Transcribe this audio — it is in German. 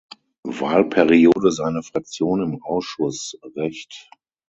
Wahlperiode seine Fraktion im Ausschuss Recht.